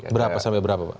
berapa sampai berapa pak